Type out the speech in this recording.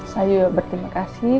saya berterima kasih